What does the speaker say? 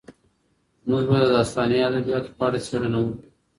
موږ به د داستاني ادبیاتو په اړه څېړنه وکړو.